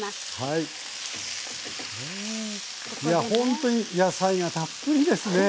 いやほんとに野菜がたっぷりですね。